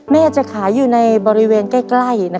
แม่จะขายอยู่ในบริเวณใกล้